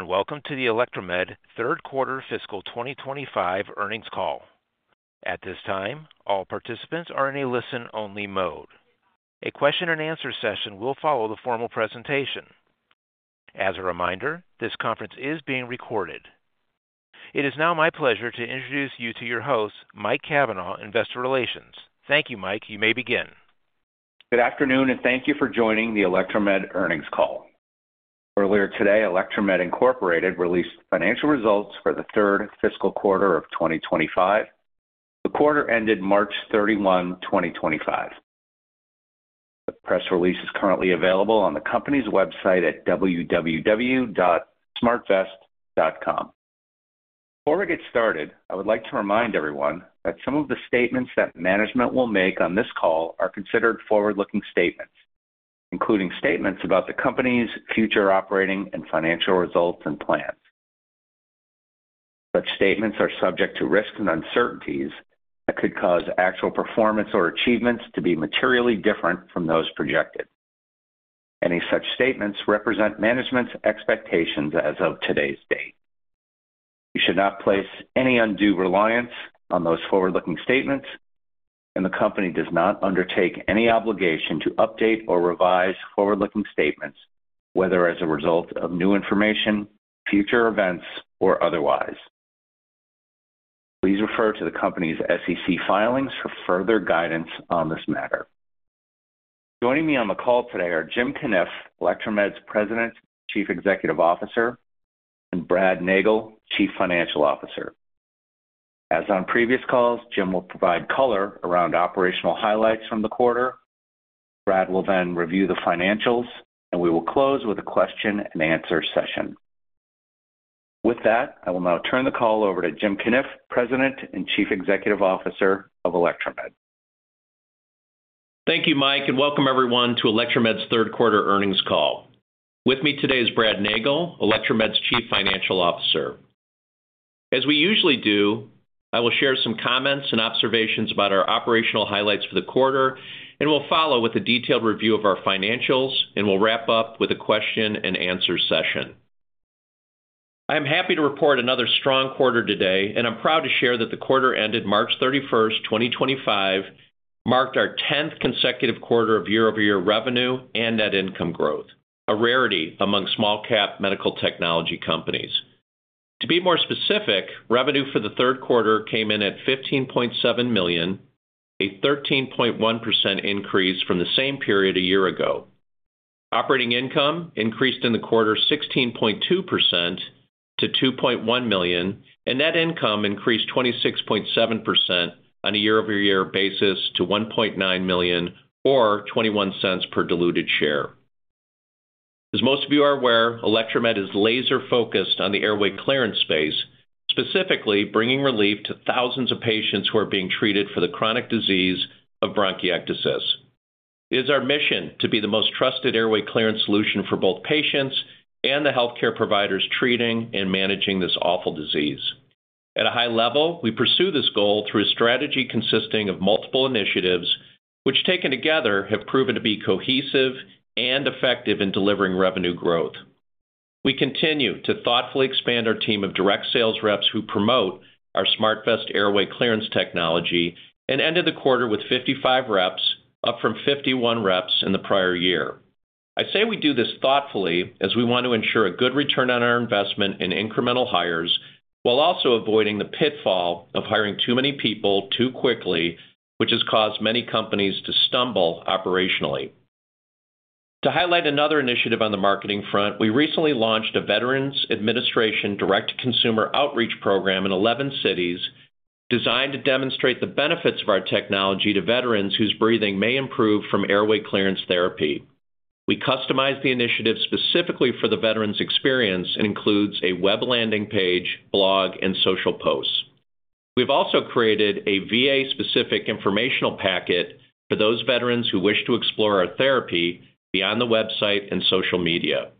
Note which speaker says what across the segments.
Speaker 1: Welcome to the Electromed third quarter fiscal 2025 earnings call. At this time, all participants are in a listen-only mode. A question-and-answer session will follow the formal presentation. As a reminder, this conference is being recorded. It is now my pleasure to introduce you to your host, Mike Cavanaugh, Investor Relations. Thank you, Mike. You may begin.
Speaker 2: Good afternoon, and thank you for joining the Electromed earnings call. Earlier today, Electromed released financial results for the third fiscal quarter of 2025. The quarter ended March 31, 2025. The press release is currently available on the company's website at www.smartvest.com. Before we get started, I would like to remind everyone that some of the statements that management will make on this call are considered forward-looking statements, including statements about the company's future operating and financial results and plans. Such statements are subject to risks and uncertainties that could cause actual performance or achievements to be materially different from those projected. Any such statements represent management's expectations as of today's date. You should not place any undue reliance on those forward-looking statements, and the company does not undertake any obligation to update or revise forward-looking statements, whether as a result of new information, future events, or otherwise. Please refer to the company's SEC filings for further guidance on this matter. Joining me on the call today are Jim Cunniff, Electromed's President and Chief Executive Officer, and Brad Nagel, Chief Financial Officer. As on previous calls, Jim will provide color around operational highlights from the quarter. Brad will then review the financials, and we will close with a question-and-answer session. With that, I will now turn the call over to Jim Cunniff, President and Chief Executive Officer of Electromed.
Speaker 3: Thank you, Mike, and welcome everyone to Electromed's third quarter earnings call. With me today is Brad Nagel, Electromed's Chief Financial Officer. As we usually do, I will share some comments and observations about our operational highlights for the quarter, and we'll follow with a detailed review of our financials, and we'll wrap up with a question-and-answer session. I am happy to report another strong quarter today, and I'm proud to share that the quarter ended March 31, 2025, marked our 10th consecutive quarter of year-over-year revenue and net income growth, a rarity among small-cap medical technology companies. To be more specific, revenue for third quarter came in at $15.7 million, a 13.1% increase from the same period a year ago. Operating income increased in quarter 16.2% to $2.1 million, and net income increased 26.7% on a year-over-year basis to $1.9 million, or $0.21 per diluted share. As most of you are aware, Electromed is laser-focused on the airway clearance space, specifically bringing relief to thousands of patients who are being treated for the chronic disease of bronchiectasis. It is our mission to be the most trusted airway clearance solution for both patients and the healthcare providers treating and managing this awful disease. At a high level, we pursue this goal through a strategy consisting of multiple initiatives, which taken together have proven to be cohesive and effective in delivering revenue growth. We continue to thoughtfully expand our team of direct sales reps who promote our SmartVest airway clearance technology and ended the quarter with 55 reps, up from 51 reps in the prior year. I say we do this thoughtfully as we want to ensure a good return on our investment in incremental hires while also avoiding the pitfall of hiring too many people too quickly, which has caused many companies to stumble operationally. To highlight another initiative on the marketing front, we recently launched a Veterans Administration direct-to-consumer outreach program in 11 cities designed to demonstrate the benefits of our technology to veterans whose breathing may improve from airway clearance therapy. We customized the initiative specifically for the veterans' experience and includes a web landing page, blog, and social posts. We have also created a VA-specific informational packet for those veterans who wish to explore our therapy beyond the website and social media.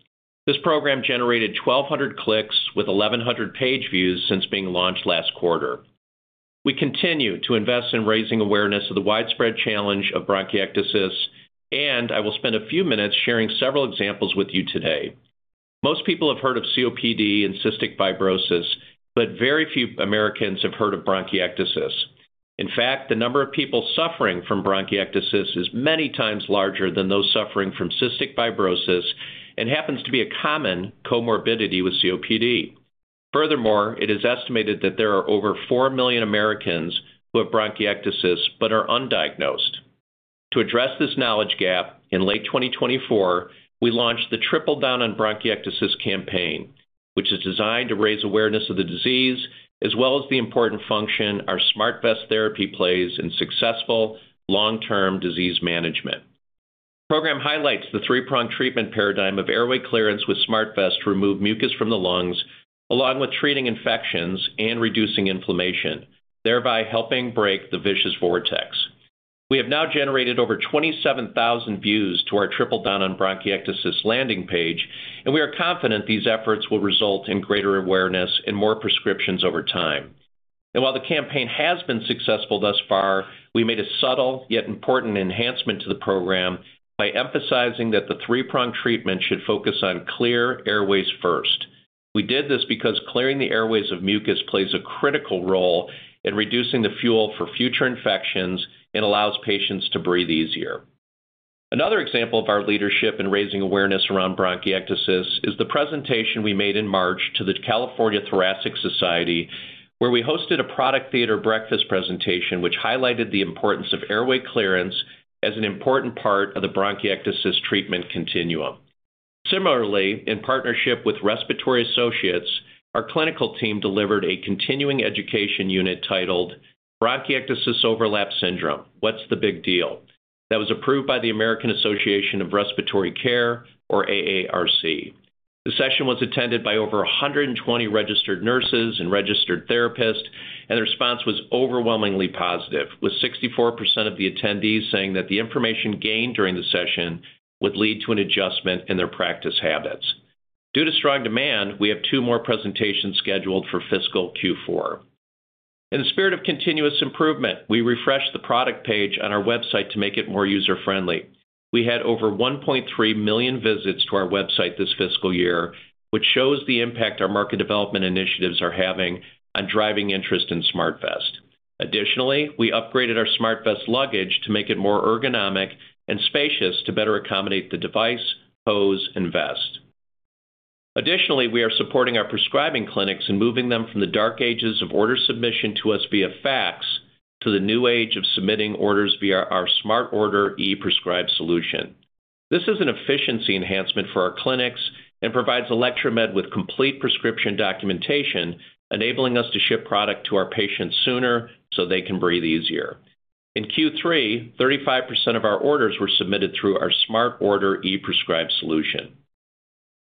Speaker 3: This program generated 1,200 clicks with 1,100 page views since being launched last quarter. We continue to invest in raising awareness of the widespread challenge of bronchiectasis, and I will spend a few minutes sharing several examples with you today. Most people have heard of COPD and cystic fibrosis, but very few Americans have heard of bronchiectasis. In fact, the number of people suffering from bronchiectasis is many times larger than those suffering from cystic fibrosis and happens to be a common comorbidity with COPD. Furthermore, it is estimated that there are over 4 million Americans who have bronchiectasis but are undiagnosed. To address this knowledge gap, in late 2024, we launched the Triple Down on Bronchiectasis campaign, which is designed to raise awareness of the disease as well as the important function our SmartVest therapy plays in successful long-term disease management. The program highlights the three-pronged treatment paradigm of airway clearance with SmartVest to remove mucus from the lungs along with treating infections and reducing inflammation, thereby helping break the vicious vortex. We have now generated over 27,000 views to our Triple Down on Bronchiectasis landing page, and we are confident these efforts will result in greater awareness and more prescriptions over time. While the campaign has been successful thus far, we made a subtle yet important enhancement to the program by emphasizing that the three-pronged treatment should focus on clear airways first. We did this because clearing the airways of mucus plays a critical role in reducing the fuel for future infections and allows patients to breathe easier. Another example of our leadership in raising awareness around bronchiectasis is the presentation we made in March to the California Thoracic Society, where we hosted a product theater breakfast presentation which highlighted the importance of airway clearance as an important part of the bronchiectasis treatment continuum. Similarly, in partnership with Respiratory Associates, our clinical team delivered a continuing education unit titled, "Bronchiectasis Overlap Syndrome: What's the Big Deal?" that was approved by the American Association of Respiratory Care, or AARC. The session was attended by over 120 registered nurses and registered therapists, and the response was overwhelmingly positive, with 64% of the attendees saying that the information gained during the session would lead to an adjustment in their practice habits. Due to strong demand, we have two more presentations scheduled for fiscal Q4. In the spirit of continuous improvement, we refreshed the product page on our website to make it more user-friendly. We had over 1.3 million visits to our website this fiscal year, which shows the impact our market development initiatives are having on driving interest in SmartVest. Additionally, we upgraded our SmartVest luggage to make it more ergonomic and spacious to better accommodate the device, hose, and vest. Additionally, we are supporting our prescribing clinics and moving them from the dark ages of order submission to us via fax to the new age of submitting orders via our SmartVest ePrescribe solution. This is an efficiency enhancement for our clinics and provides Electromed with complete prescription documentation, enabling us to ship product to our patients sooner so they can breathe easier. In Q3, 35% of our orders were submitted through our SmartVest ePrescribe solution.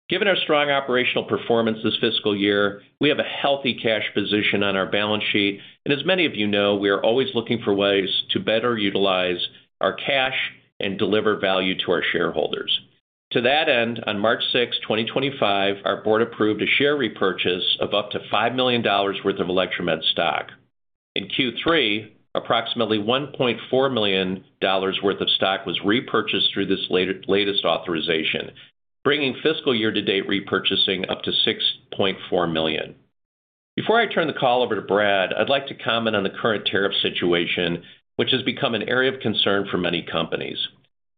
Speaker 3: Given our strong operational performance this fiscal year, we have a healthy cash position on our balance sheet, and as many of you know, we are always looking for ways to better utilize our cash and deliver value to our shareholders. To that end, on March 6, 2025, our board approved a share repurchase of up to $5 million worth of Electromed stock. In Q3, approximately $1.4 million worth of stock was repurchased through this latest authorization, bringing fiscal year-to-date repurchasing up to $6.4 million. Before I turn the call over to Brad, I'd like to comment on the current tariff situation, which has become an area of concern for many companies.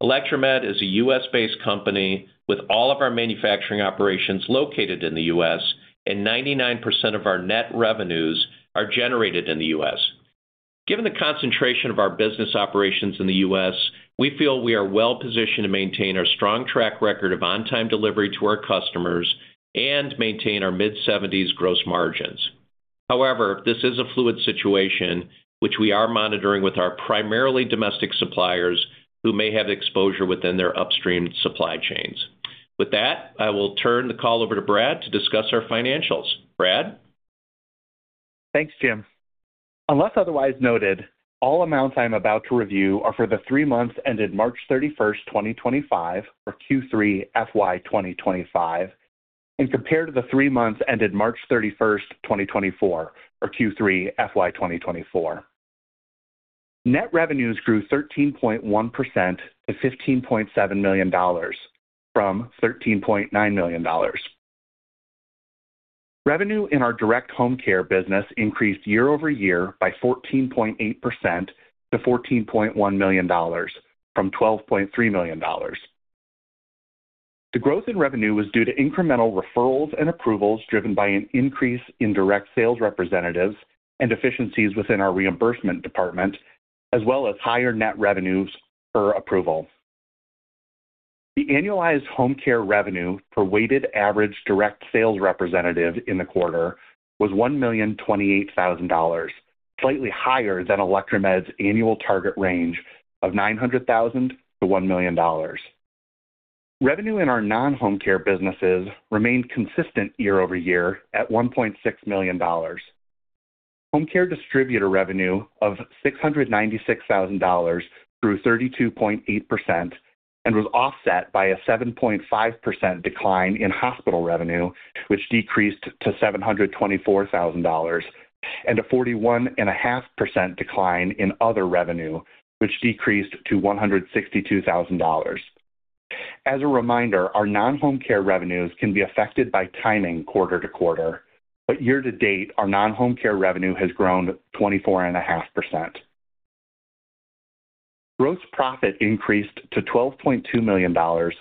Speaker 3: Electromed is a U.S.-based company with all of our manufacturing operations located in the U.S., and 99% of our net revenues are generated in the U.S. Given the concentration of our business operations in the U.S., we feel we are well-positioned to maintain our strong track record of on-time delivery to our customers and maintain our mid-70% gross margins. However, this is a fluid situation, which we are monitoring with our primarily domestic suppliers who may have exposure within their upstream supply chains. With that, I will turn the call over to Brad to discuss our financials. Brad?
Speaker 4: Thanks, Jim. Unless otherwise noted, all amounts I'm about to review are for the three months ended March 31, 2025, or Q3 FY 2025, and compared to the three months ended March 31, 2024, or Q3 FY 2024. Net revenues grew 13.1% to $15.7 million from $13.9 million. Revenue in our direct home care business increased year-over-year by 14.8% to $14.1 million from $12.3 million. The growth in revenue was due to incremental referrals and approvals driven by an increase in direct sales representatives and efficiencies within our reimbursement department, as well as higher net revenues per approval. The annualized home care revenue per weighted average direct sales representative in the quarter was $1,028,000, slightly higher than Electromed's annual target range of $900,000-$1 million. Revenue in our non-home care businesses remained consistent year-over-year at $1.6 million. Home care distributor revenue of $696,000 grew 32.8% and was offset by a 7.5% decline in hospital revenue, which decreased to $724,000, and a 41.5% decline in other revenue, which decreased to $162,000. As a reminder, our non-home care revenues can be affected by timing quarter to quarter, but year-to-date, our non-home care revenue has grown 24.5%. Gross profit increased to $12.2 million, or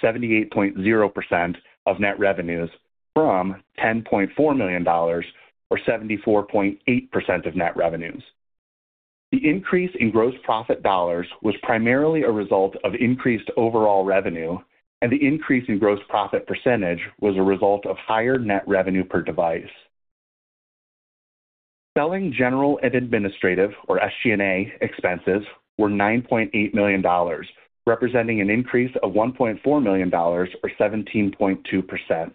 Speaker 4: 78.0% of net revenues, from $10.4 million, or 74.8% of net revenues. The increase in gross profit dollars was primarily a result of increased overall revenue, and the increase in gross profit percentage was a result of higher net revenue per device. Selling, general and administrative, or SG&A, expenses were $9.8 million, representing an increase of $1.4 million, or 17.2%.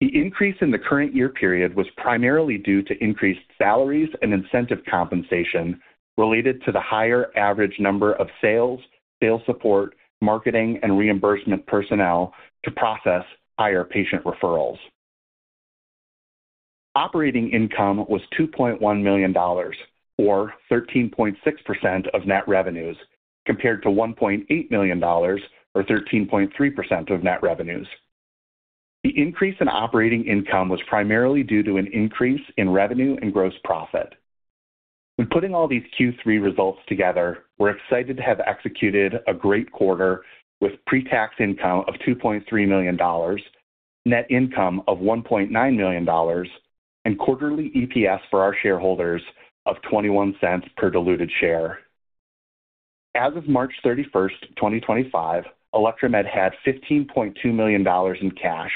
Speaker 4: The increase in the current year period was primarily due to increased salaries and incentive compensation related to the higher average number of sales, sales support, marketing, and reimbursement personnel to process higher patient referrals. Operating income was $2.1 million, or 13.6% of net revenues, compared to $1.8 million, or 13.3% of net revenues. The increase in operating income was primarily due to an increase in revenue and gross profit. When putting all these Q3 results together, we're excited to have executed a great quarter with pre-tax income of $2.3 million, net income of $1.9 million, and quarterly EPS for our shareholders of $0.21 per diluted share. As of March 31, 2025, Electromed had $15.2 million in cash,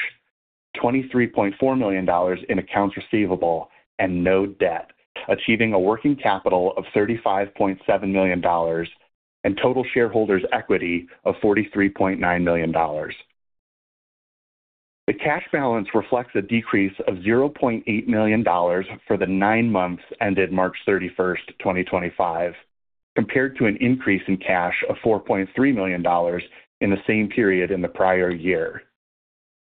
Speaker 4: $23.4 million in accounts receivable, and no debt, achieving a working capital of $35.7 million and total shareholders' equity of $43.9 million. The cash balance reflects a decrease of $0.8 million for the nine months ended March 31, 2025, compared to an increase in cash of $4.3 million in the same period in the prior year.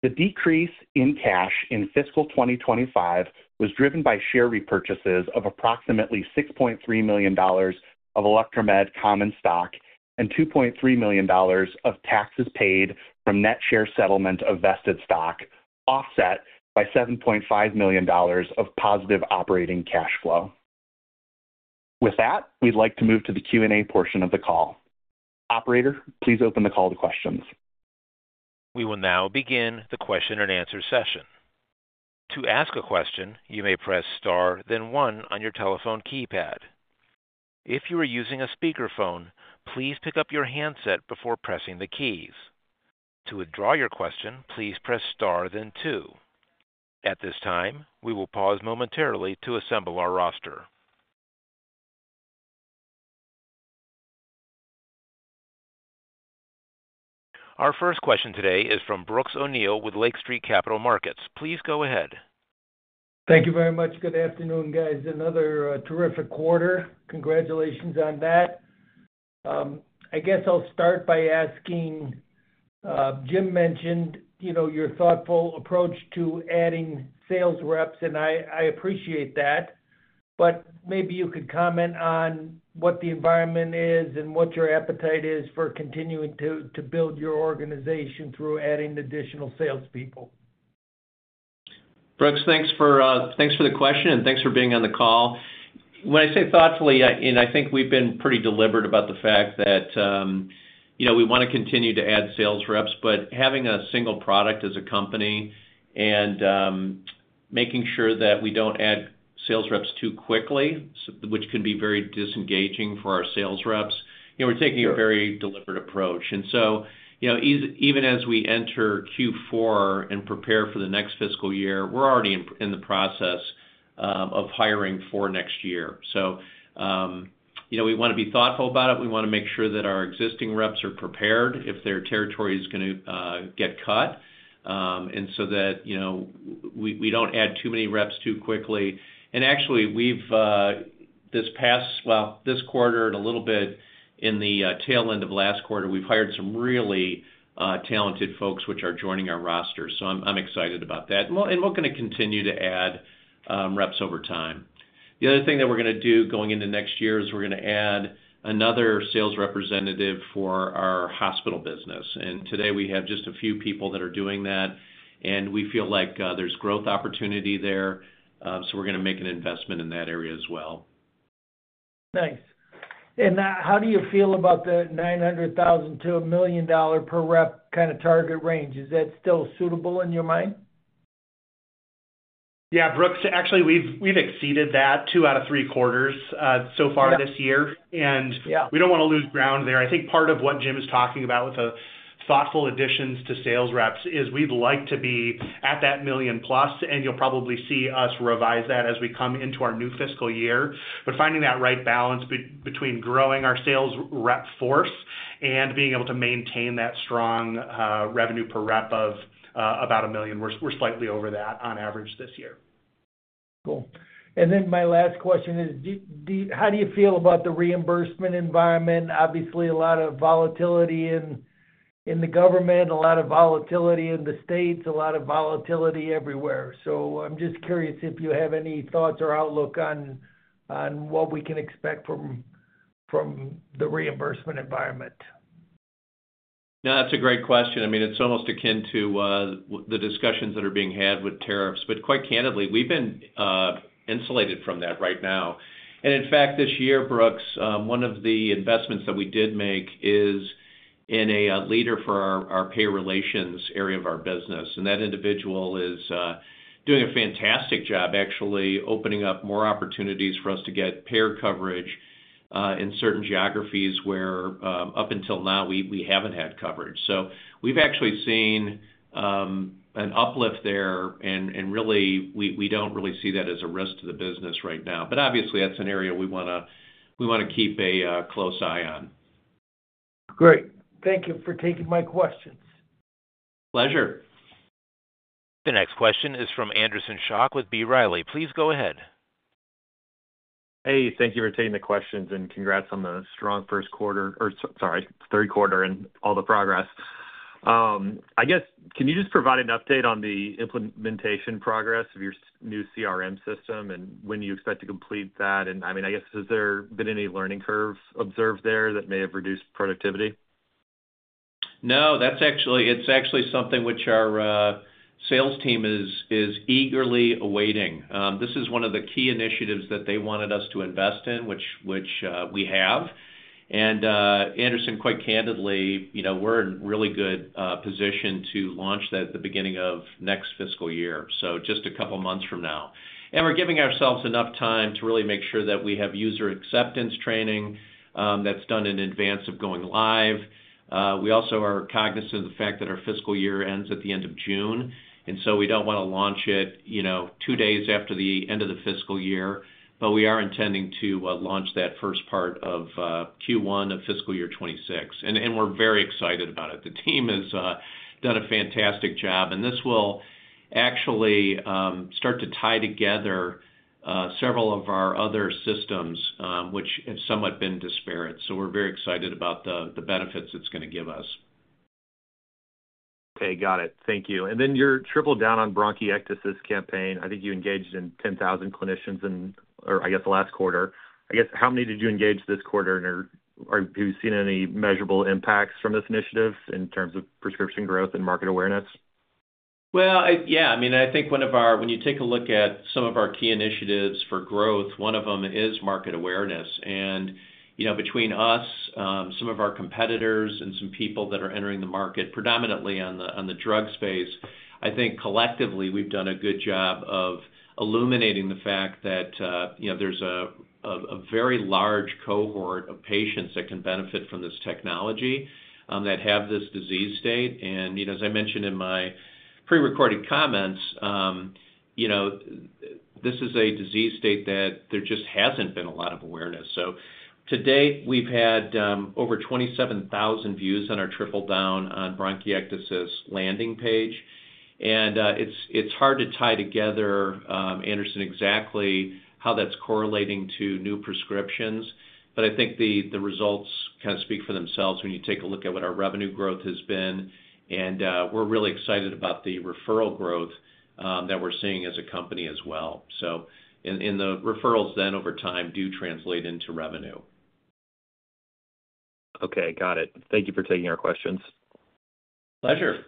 Speaker 4: The decrease in cash in fiscal 2025 was driven by share repurchases of approximately $6.3 million of Electromed common stock and $2.3 million of taxes paid from net share settlement of vested stock, offset by $7.5 million of positive operating cash flow. With that, we'd like to move to the Q&A portion of the call. Operator, please open the call to questions.
Speaker 1: We will now begin the question and answer session. To ask a question, you may press star, then one on your telephone keypad. If you are using a speakerphone, please pick up your handset before pressing the keys. To withdraw your question, please press star, then two. At this time, we will pause momentarily to assemble our roster. Our first question today is from Brooks O'Neil with Lake Street Capital Markets. Please go ahead.
Speaker 5: Thank you very much. Good afternoon, guys. Another terrific quarter. Congratulations on that. I guess I'll start by asking, Jim mentioned your thoughtful approach to adding sales reps, and I appreciate that, but maybe you could comment on what the environment is and what your appetite is for continuing to build your organization through adding additional salespeople.
Speaker 3: Brooks, thanks for the question, and thanks for being on the call. When I say thoughtfully, I think we've been pretty deliberate about the fact that we want to continue to add sales reps, but having a single product as a company and making sure that we don't add sales reps too quickly, which can be very disengaging for our sales reps, we're taking a very deliberate approach. Even as we enter Q4 and prepare for the next fiscal year, we're already in the process of hiring for next year. We want to be thoughtful about it. We want to make sure that our existing reps are prepared if their territory is going to get cut and so that we don't add too many reps too quickly. Actually, this quarter and a little bit in the tail end of last quarter, we've hired some really talented folks which are joining our roster, so I'm excited about that and we're going to continue to add reps over time. The other thing that we're going to do going into next year is we're going to add another sales representative for our hospital business. Today, we have just a few people that are doing that, and we feel like there's growth opportunity there, so we're going to make an investment in that area as well.
Speaker 5: Nice. How do you feel about the $900,000-$1 million per rep kind of target range? Is that still suitable in your mind?
Speaker 3: Yeah, Brooks, actually, we've exceeded that two out of three quarters so far this year, and we don't want to lose ground there. I think part of what Jim is talking about with the thoughtful additions to sales reps is we'd like to be at that million plus, and you'll probably see us revise that as we come into our new fiscal year. Finding that right balance between growing our sales rep force and being able to maintain that strong revenue per rep of about a million, we're slightly over that on average this year.
Speaker 5: Cool. Then my last question is, how do you feel about the reimbursement environment? Obviously, a lot of volatility in the government, a lot of volatility in the states, a lot of volatility everywhere. I am just curious if you have any thoughts or outlook on what we can expect from the reimbursement environment.
Speaker 3: No, that's a great question. I mean, it's almost akin to the discussions that are being had with tariffs, but quite candidly, we've been insulated from that right now. In fact, this year, Brooks, one of the investments that we did make is in a leader for our pay relations area of our business. That individual is doing a fantastic job, actually opening up more opportunities for us to get payer coverage in certain geographies where up until now, we haven't had coverage. We've actually seen an uplift there, and really, we don't really see that as a risk to the business right now. Obviously, that's an area we want to keep a close eye on.
Speaker 5: Great. Thank you for taking my questions.
Speaker 3: Pleasure.
Speaker 1: The next question is from Anderson Schock with B. Riley. Please go ahead.
Speaker 6: Hey, thank you for taking the questions, and congrats on the strong first quarter, or sorry, third quarter and all the progress. I guess, can you just provide an update on the implementation progress of your new CRM system and when you expect to complete that? I mean, I guess, has there been any learning curve observed there that may have reduced productivity?
Speaker 3: No, it's actually something which our sales team is eagerly awaiting. This is one of the key initiatives that they wanted us to invest in, which we have. Anderson, quite candidly, we're in a really good position to launch that at the beginning of next fiscal year, just a couple of months from now. We're giving ourselves enough time to really make sure that we have user acceptance training that's done in advance of going live. We also are cognizant of the fact that our fiscal year ends at the end of June, and we don't want to launch it two days after the end of the fiscal year, but we are intending to launch that first part of Q1 of fiscal year 2026. We're very excited about it. The team has done a fantastic job, and this will actually start to tie together several of our other systems which have somewhat been disparate. We are very excited about the benefits it's going to give us.
Speaker 6: Okay, got it. Thank you. Your Triple Down on Bronchiectasis campaign, I think you engaged 10,000 clinicians in, or I guess, the last quarter. I guess, how many did you engage this quarter, and have you seen any measurable impacts from this initiative in terms of prescription growth and market awareness?
Speaker 3: Yeah. I mean, I think one of our—when you take a look at some of our key initiatives for growth, one of them is market awareness. Between us, some of our competitors, and some people that are entering the market, predominantly on the drug space, I think collectively, we've done a good job of illuminating the fact that there's a very large cohort of patients that can benefit from this technology that have this disease state. As I mentioned in my prerecorded comments, this is a disease state that there just hasn't been a lot of awareness. To date, we've had over 27,000 views on our Triple Down on Bronchiectasis landing page. It is hard to tie together, Anderson, exactly how that is correlating to new prescriptions, but I think the results kind of speak for themselves when you take a look at what our revenue growth has been. We are really excited about the referral growth that we are seeing as a company as well. The referrals then over time do translate into revenue.
Speaker 6: Okay, got it. Thank you for taking our questions.
Speaker 3: Pleasure.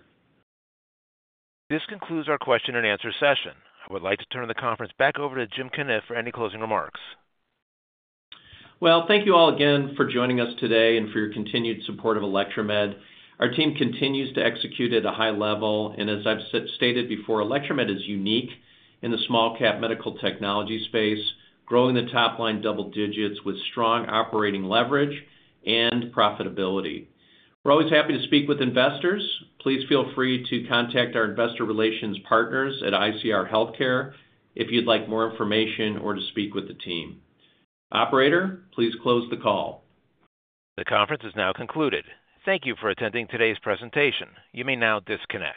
Speaker 1: This concludes our question and answer session. I would like to turn the conference back over to Jim Cunniff for any closing remarks.
Speaker 3: Thank you all again for joining us today and for your continued support of Electromed. Our team continues to execute at a high level. As I've stated before, Electromed is unique in the small cap medical technology space, growing the top line double digits with strong operating leverage and profitability. We're always happy to speak with investors. Please feel free to contact our investor relations partners at ICR Healthcare if you'd like more information or to speak with the team. Operator, please close the call.
Speaker 1: The conference is now concluded. Thank you for attending today's presentation. You may now disconnect.